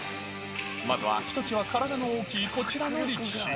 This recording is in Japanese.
まずは、ひときわ体の大きい、こちらの力士。